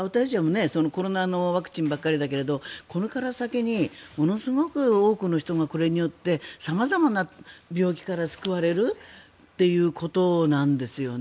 これからコロナのワクチンばかりだけどこれから先にものすごく多くの人がこれによって様々な病気から救われるということなんですよね。